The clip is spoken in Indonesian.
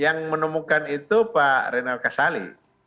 yang menemukan itu pak renal kasali